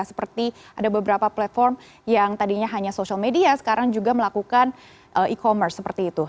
seperti ada beberapa platform yang tadinya hanya social media sekarang juga melakukan e commerce seperti itu